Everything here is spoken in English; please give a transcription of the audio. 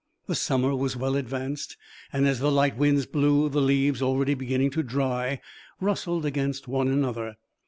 The summer was well advanced and as the light winds blew, the leaves, already beginning to dry, rustled against one another.